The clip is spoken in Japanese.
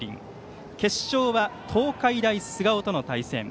決勝は東海大菅生との対戦。